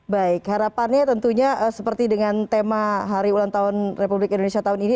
baik harapannya tentunya seperti dengan tema hari ulang tahun republik indonesia tahun ini